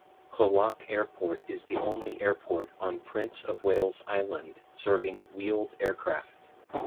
Klawock Airport is the only airport on Prince of Wales Island serving wheeled aircraft.